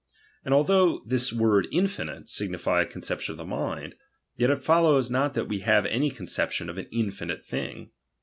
And although this word infinite signify a concep tion of the mind, yet it follows not that we have any conception of an infinite thing.